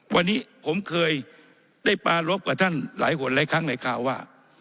วันนี้ผมเคยได้ปารพกับท่านหลายคนหลายครั้งในข่าวว่า